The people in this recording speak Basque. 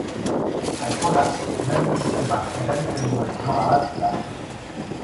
Alkohola, nerbio-sisteman eragiten duen droga bat da.